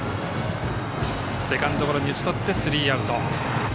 セカンドゴロに打ち取ってスリーアウト。